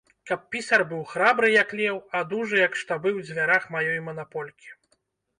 Каб пісар быў храбры, як леў, а дужы, як штабы ў дзвярах маёй манаполькі.